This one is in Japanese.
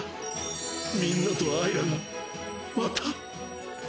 みんなとアイラがまた。